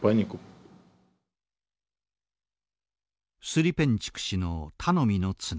スリペンチュク氏の頼みの綱。